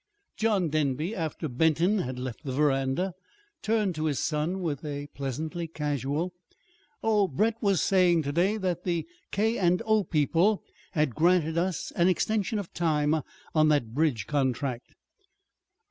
John Denby, after Benton had left the veranda, turned to his son with a pleasantly casual "Oh, Brett was saying to day that the K. & O. people had granted us an extension of time on that bridge contract."